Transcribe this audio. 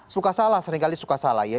suka salah seringkali suka salah ya